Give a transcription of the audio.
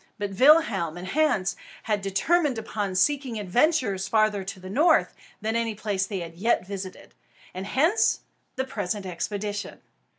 But Willem and Hans had determined upon seeking adventures farther to the north than any place they had yet visited; and hence the present expedition.